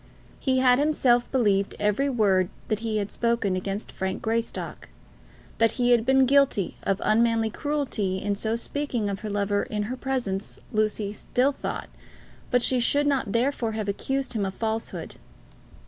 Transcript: He had himself believed every word that he had spoken against Frank Greystock. That he had been guilty of unmanly cruelty in so speaking of her lover in her presence, Lucy still thought, but she should not therefore have accused him of falsehood.